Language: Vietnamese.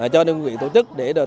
cho nên huyện tổ chức để tổ chức